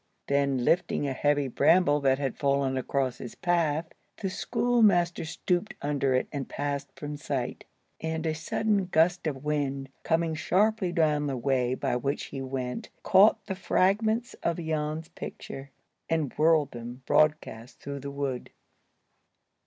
Then, lifting a heavy bramble that had fallen across his path, the schoolmaster stooped under it, and passed from sight. And a sudden gust of wind coming sharply down the way by which he went caught the fragments of Jan's picture, and whirled them broadcast through the wood.